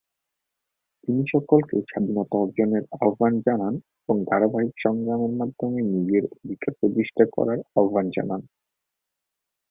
তিনি সকলকে স্বাধীনতা অর্জনের আহ্বান জানান এবং ধারাবাহিক সংগ্রামের মাধ্যমে নিজের অধিকার প্রতিষ্ঠা করার আহ্বান জানান।